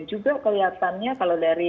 juga kelihatannya kalau dari